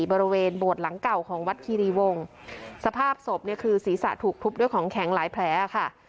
บริเวณโบสถ์หลังเก่าของวัดคีรีวงสภาพศพเนี่ยคือศีรษะถูกทุบด้วยของแข็งหลายแผลค่ะ